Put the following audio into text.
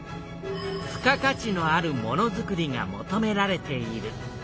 付加価値のあるものづくりが求められている。